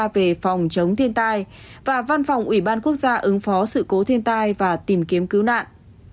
về phòng chống thiên tai và văn phòng ủy ban quốc gia ứng phó sự cố thiên tai và tìm kiếm cứu nạn